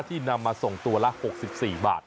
นำมาส่งตัวละ๖๔บาท